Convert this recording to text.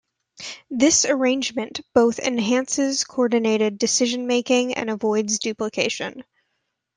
This arrangement both enhances coordinated decision-making and avoids duplication.